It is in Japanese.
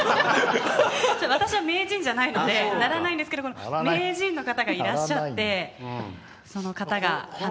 私は名人じゃないので鳴らないんですけど名人の方がいらっしゃってその方が鼻笛を。